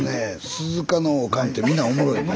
鈴鹿のおかんって皆おもろいの。